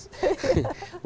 mbak mimie terima kasih